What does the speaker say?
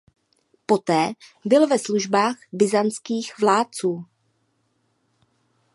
Poté byl ve službách byzantských vládců.